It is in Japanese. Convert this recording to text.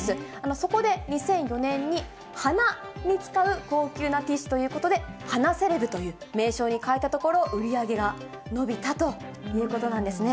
そこで、２００４年に、鼻に使う高級なティッシュということで、鼻セレブという名称に変えたところ、売り上げが伸びたということなんですね。